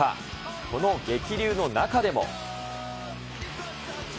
この激流の中でも。